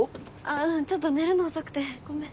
うんちょっと寝るの遅くてごめん。